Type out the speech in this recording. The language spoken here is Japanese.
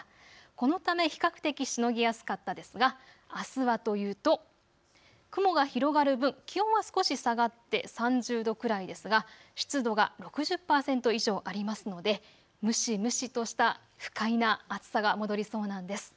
このため比較的しのぎやすかったですがあすはというと雲が広がる分、気温は少し下がって３０度くらいですが、湿度が６０％以上ありますので蒸し蒸しとした不快な暑さが戻りそうなんです。